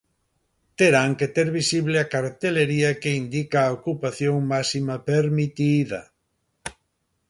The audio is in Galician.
Terán que ter visible a cartelería que indica a ocupación máxima permitida.